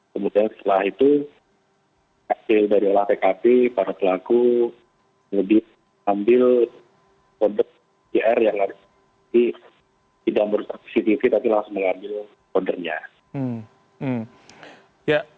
kemudian setelah itu hasil dari olah tkp para pelaku ngedit ambil kode pr yang tidak berstafisitif tapi langsung mengambil kodenya